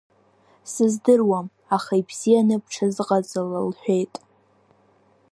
Сыздыруам, аха ибзианы бҽазыҟаҵала лҳәеит.